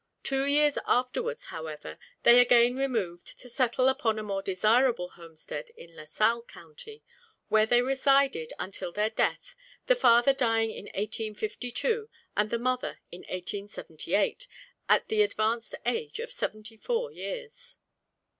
Two years afterwards, however, they again removed to settle upon a more desirable homestead in La Salle county, where they resided until their death, the father dying in 1852 and the mother in 1878, at the advanced age of seventy four years.